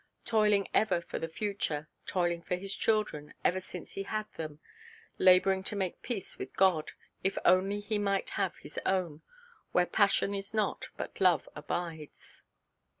Toiling ever for the future, toiling for his children, ever since he had them, labouring to make peace with God, if only he might have his own, where passion is not, but love abides.